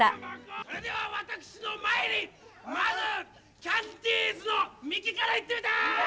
それでは私の前にまずキャンディーズのミキからいってみた！